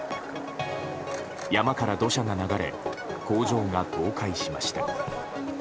山から土砂が流れ工場が倒壊しました。